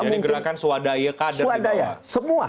jadi gerakan swadaya kader dan semua